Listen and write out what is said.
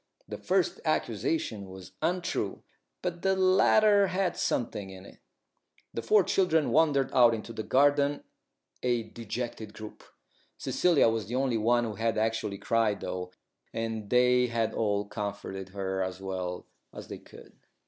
The first accusation was untrue, but the latter had something in it. The four children wandered out into the garden, a dejected group. Cecilia was the only one who had actually cried though, and they had all comforted her as well as they could.